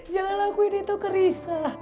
jangan lakuin itu ke risa